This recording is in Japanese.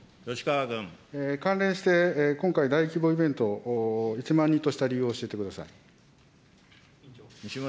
関連して、今回、大規模イベント、１万人とした理由を教えてください。